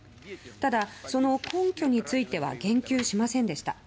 ただ、その根拠については言及しませんでした。